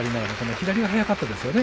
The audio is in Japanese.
左が速かったですね